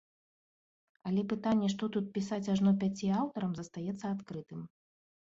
Але пытанне, што тут пісаць ажно пяці аўтарам, застаецца адкрытым.